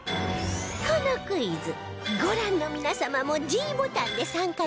このクイズご覧の皆様も ｄ ボタンで参加できちゃいます